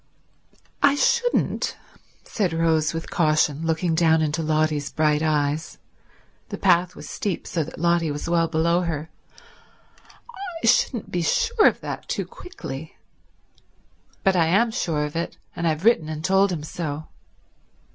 "I shouldn't," said Rose with caution, looking down into Lotty's bright eyes—the path was steep, so that Lotty was well below her—"I shouldn't be sure of that too quickly." "But I am sure of it, and I've written and told him so."